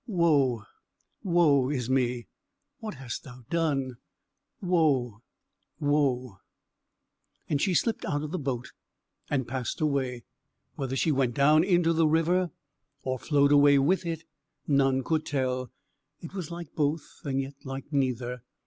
Woe, woe is me! what hast thou done? woe, woe!" And she slipped out of the boat and passed away. Whether she went down into the river, or flowed away with it, none could tell; it was like both and yet like neither.